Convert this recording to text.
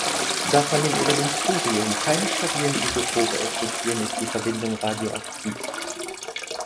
Da von dem Element Curium keine stabilen Isotope existieren, ist die Verbindung radioaktiv.